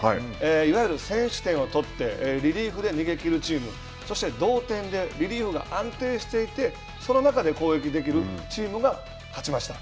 いわゆる先取点を取ってリリーフで逃げきるチームそして、同点でリリーフが安定していてその中で攻撃できるチームが勝ちました。